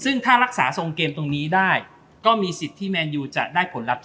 ซึ่งถ้ารักษาทรงเกมตรงนี้ได้ก็มีสิทธิ์ที่แมนยูจะได้ผลลัพธ